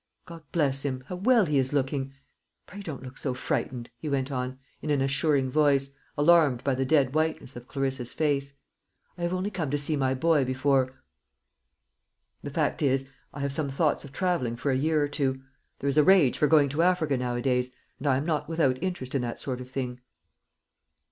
God bless him, how well he is looking! Pray don't look so frightened," he went on, in an assuring voice, alarmed by the dead whiteness of Clarissa's face; "I have only come to see my boy before . The fact is, I have some thoughts of travelling for a year or two. There is a rage for going to Africa nowadays, and I am not without interest in that sort of thing."